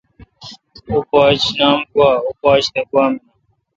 اوں پاچ نام گوا۔۔۔۔۔اوں پاچ تہ گوا منان